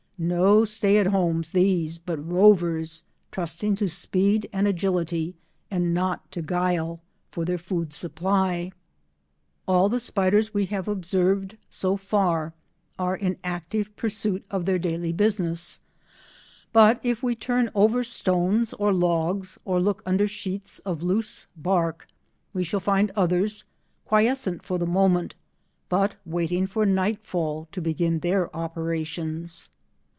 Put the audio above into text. No stay at homes, these, but rovers, trusting to speed and agility, and not to guile, for their food supply. All the spiders we have observed so far are in active pursuit of their daily business, but if we turn over stones, or logs, or look under sheets of loose bark, we shall find others, quiescent for the moment, but waiting for nightfall to begin their operations.